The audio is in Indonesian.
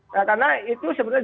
karena itu sebenarnya